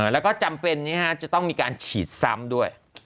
แล้วก็จำเป็นจะต้องมีการฉีดซ้ำด้วย